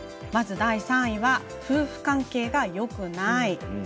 第３位が夫婦関係がよくない。